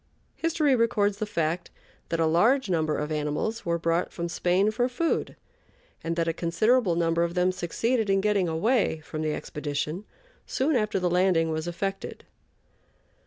History records the fact that a large number of animals were brought from Spain for food, and that a considerable number of them succeeded in getting away from the expedition soon after the landing was effected.